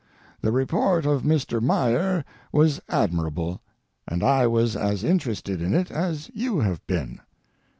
The report of Mr. Meyer was admirable, and I was as interested in it as you have been.